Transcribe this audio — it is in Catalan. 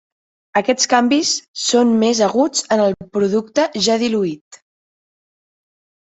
Aquests canvis són més aguts en el producte ja diluït.